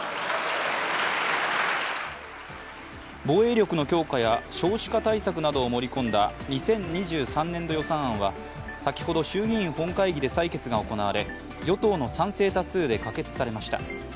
防衛力の強化や少子化対策などを盛り込んだ２０２３年度予算案は先ほど、衆議院本会議で採決が行われ与党の賛成多数で可決されました。